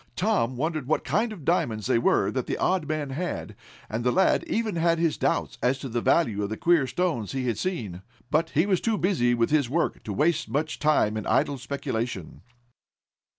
Tom wondered what kind of diamonds they were that the odd man had, and the lad even had his doubts as to the value of the queer stones he had seen. But he was too busy with his work to waste much time in idle speculation.